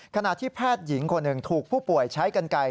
ขณะที่แพทย์หญิงคนหนึ่งถูกผู้ป่วยใช้กันไกล